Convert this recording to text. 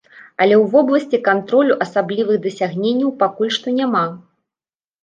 Але ў вобласці кантролю асаблівых дасягненняў пакуль што няма.